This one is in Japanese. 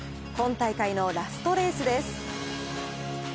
今大会のラストレースです。